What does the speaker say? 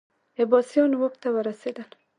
عباسیان واک ته ورسېدل